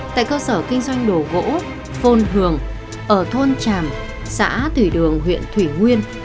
tại cơ sở kinh doanh đồ gỗ phôn hường ở thôn tràm xã thủy đường huyện thủy nguyên